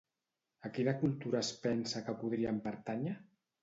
A quina cultura es pensa que podrien pertànyer?